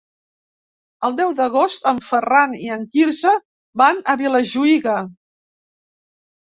El deu d'agost en Ferran i en Quirze van a Vilajuïga.